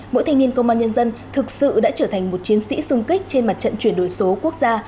mỗi thanh niên công an nhân dân thực sự đã trở thành một chiến sĩ xung kích trên mặt trận chuyển đổi số quốc gia